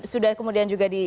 sudah kemudian juga di